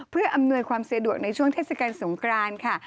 เพื่ออำนวยความสะดวกในช่วงเทศกาลสงกรานค่ะ